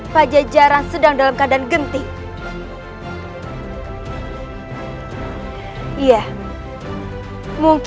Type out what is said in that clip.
pajajaran sedang dalam keadaan genting